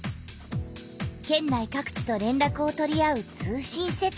県内かく地とれんらくを取り合う通信設備。